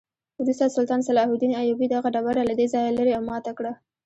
وروسته سلطان صلاح الدین ایوبي دغه ډبره له دې ځایه لرې او ماته کړه.